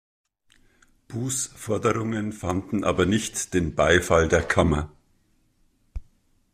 Buß’ Forderungen fanden aber nicht den Beifall der Kammer.